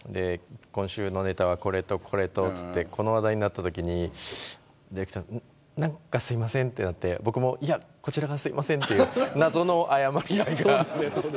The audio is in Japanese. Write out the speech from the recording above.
今週のネタは、これとこれとってこの話題になったときにディレクターさん何か、すいませんってなって僕も、いや、こちらがすいませんって謎の謝り合いが。